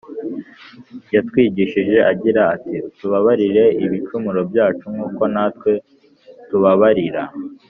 yatwigishije agira ati utubabarire ibicumuro byacu, nk’uko natwe tubabarira